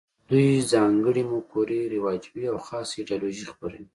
دوی ځانګړې مفکورې رواجوي او خاصه ایدیالوژي خپروي